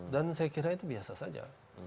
dan saya kira itu biasa saja